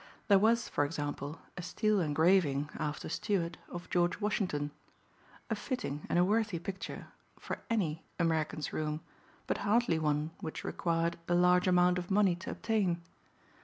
There was, for example, a steel engraving, after Stuart, of George Washington. A fitting and a worthy picture for any American's room but hardly one which required a large amount of money to obtain.